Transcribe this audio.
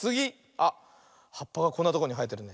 あっはっぱがこんなとこにはえてるね。